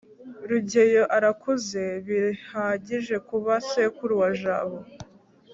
rugeyo arakuze bihagije kuba sekuru wa jabo